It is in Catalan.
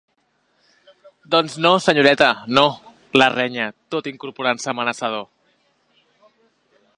Doncs no, senyoreta, no —la renya, tot incorporant-se amenaçador—.